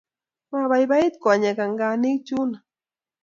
Maibaibait konyek anganik chuno